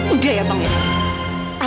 udah ya abang ya